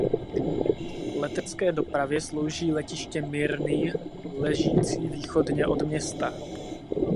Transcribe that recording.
Letecké dopravě slouží letiště Mirnyj ležící východně od města.